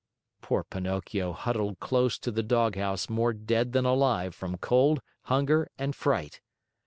Poor Pinocchio huddled close to the doghouse more dead than alive from cold, hunger, and fright.